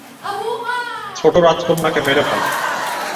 ছোট রাজকন্যাকে মেরে ফেলো।